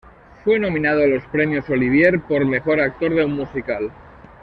Fue nominado a los premios Olivier por mejor actor de un musical.